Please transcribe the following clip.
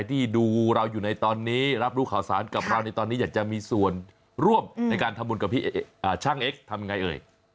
ที่ดูเราอยู่ในตอนนี้รับรู้ข่าวสารกับเราในตอนนี้อยากจะมีส่วนร่วมในการทำบุญกับพี่ช่างเอ็กซ์ทำยังไงเอ่ย